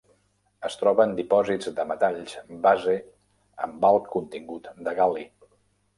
Es troba en dipòsits de metalls base amb alt contingut de gal·li.